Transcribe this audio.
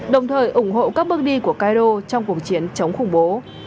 đồng thời ủng hộ các bước đi của cairo trong cuộc chiến chống khủng bố